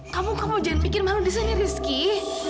kamu kamu jangan pikir malu disini rizky